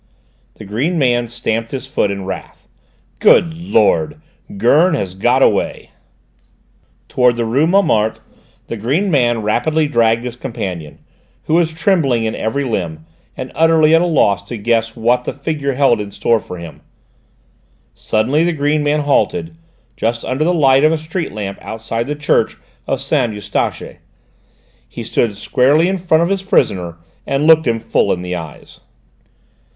The green man stamped his foot in wrath. "Good Lord! Gurn has got away!" Towards the rue Montmartre the green man rapidly dragged his companion, who was trembling in every limb, and utterly at a loss to guess what the future held in store for him. Suddenly the green man halted, just under the light of a street lamp outside the church of Saint Eustache. He stood squarely in front of his prisoner and looked him full in the eyes.